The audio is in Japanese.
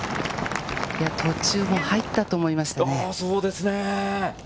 途中、入ったと思いましたね。